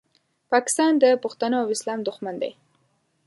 پاکستان د پښتنو او اسلام دوښمن دی